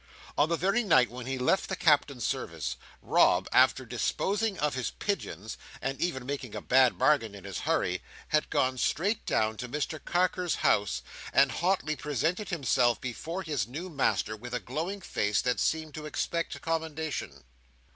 On the very night when he left the Captain's service, Rob, after disposing of his pigeons, and even making a bad bargain in his hurry, had gone straight down to Mr Carker's house, and hotly presented himself before his new master with a glowing face that seemed to expect commendation.